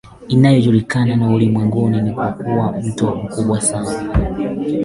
inayojulikana ulimwenguni kwa kuwa mto mkubwa na